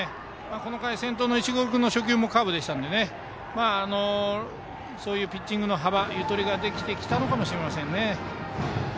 この回、先頭の石黒君への初球もカーブだったのでそういうピッチングの幅ゆとりができてきたのかもしれませんね。